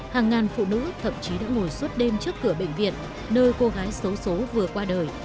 hàng ngàn phụ nữ thậm chí đã ngồi suốt đêm trước cửa bệnh viện nơi cô gái xấu xố vừa qua đời